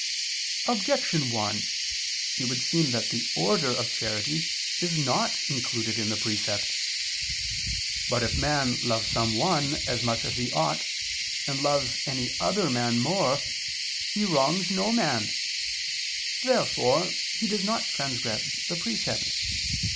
Objection 1: It would seem that the order of charity is not included in the precept. For whoever transgresses a precept does a wrong. But if man loves some one as much as he ought, and loves any other man more, he wrongs no man. Therefore he does not transgress the precept.